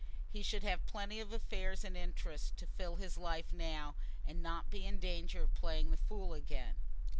He should have plenty of affairs and interests to fill his life now, and not be in danger of playing the fool again.